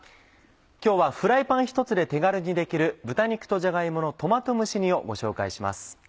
今日はフライパンひとつで手軽にできる「豚肉とじゃが芋のトマト蒸し煮」をご紹介します。